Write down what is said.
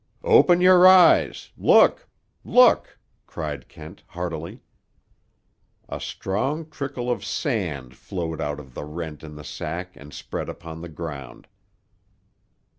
"Open your eyes! Look! Look!" cried Kent heartily. A strong trickle of sand flowed out of the rent in the sack and spread upon the ground.